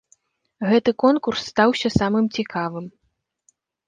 Гэты конкурс стаўся самым цікавым.